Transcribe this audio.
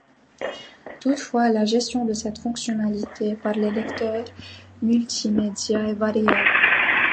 Toutefois la gestion de cette fonctionnalité par les lecteurs multimédias est variable.